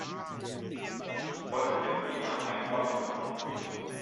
Wollen wir Sina einweihen?